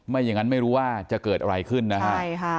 อย่างนั้นไม่รู้ว่าจะเกิดอะไรขึ้นนะฮะใช่ค่ะ